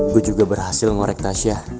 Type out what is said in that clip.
gue juga berhasil ngorek tasyah